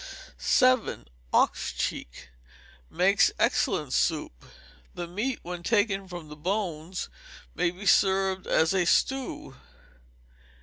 vii. Ox Cheek makes excellent soup. The meat, when taken from the bones, may be served as a stew.